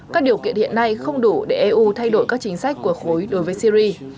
các điều kiện hiện nay không đủ để eu thay đổi các chính sách của khối đối với syri